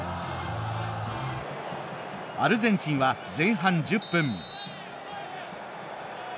アルゼンチンは前半１０分。